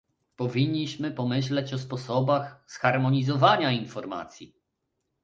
Powinniśmy pomyśleć o sposobach zharmonizowania informacji